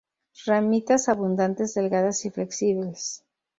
Ramitas abundantes, delgadas y flexibles.